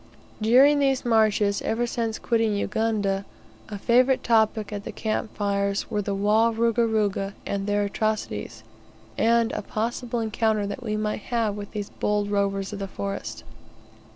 During these marches, ever since quitting Ugunda, a favourite topic at the camp fires were the Wa Ruga Ruga, and their atrocities, and a possible encounter that we might have with these bold rovers of the forest.